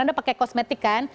anda pakai kosmetik kan